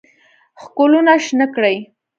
ښکلونه شنه کړي